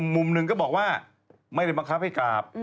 มุมหนึ่งก็บอกว่าไม่ได้บังคับให้กราบ